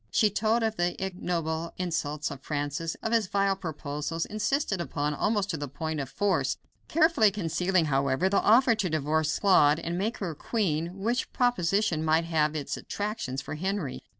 She told of the ignoble insults of Francis, of his vile proposals insisted upon, almost to the point of force carefully concealing, however, the offer to divorce Claude and make her queen, which proposition might have had its attractions for Henry.